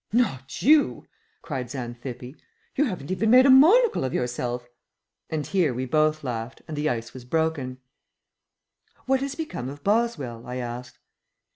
"Not you!" cried Xanthippe. "You haven't even made a monocle of yourself." And here we both laughed, and the ice was broken. "What has become of Boswell?" I asked.